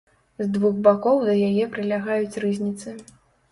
З двух бакоў да яе прылягаюць рызніцы.